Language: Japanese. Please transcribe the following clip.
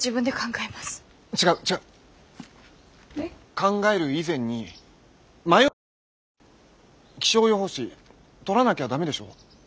考える以前に迷う以前に気象予報士取らなきゃ駄目でしょ。